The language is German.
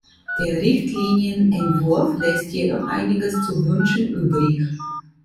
Der Richtlinienentwurf lässt jedoch einiges zu wünschen übrig.